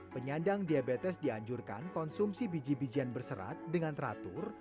penyandang diabetes dianjurkan konsumsi biji bijian berserat dengan teratur